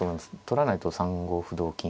取らないと３五歩同金